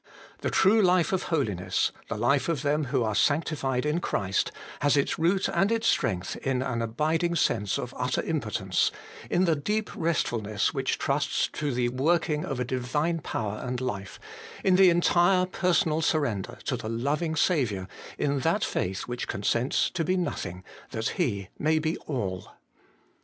The true life of holiness, the life of them who are sanctified in Christ, has its root and its strength in an abiding sense of utter impotence, in the deep restfulness which trusts to the working of a Divine power and life, in the entire personal surrender to the loving Saviour, in that faith which consents to be nothing, that He may be all.